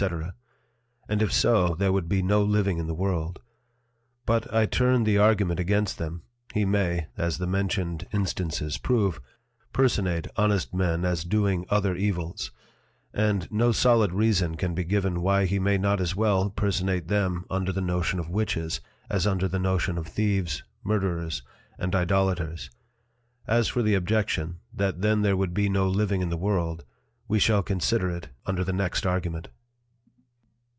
_ And if so, there would be no living in the World: But I turn the Argument against them, he may (as the mentioned Instances prove) personate honest Men as doing other Evils; and no solid Reason can be given why he may not as well personate them under the Notion of Witches, as under the Notion of Thieves, Murderers, and Idolaters: As for the Objection, that then there would be no living in the World, we shall consider it under the next Argument.